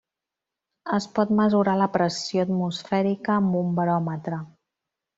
Es pot mesurar la pressió atmosfèrica amb un baròmetre.